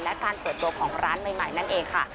และการเปิดตัวของร้านใหม่นั่นเองค่ะ